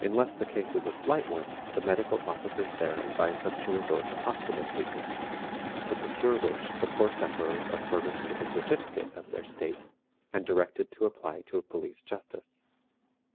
Unless the case is a slight one, the medical officers there advise them to resort to hospital treatment, to procure which the poor sufferers are furnished with a certificate of their state, and directed to apply to a police justice.